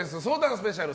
スペシャル